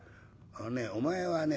「あのねお前はね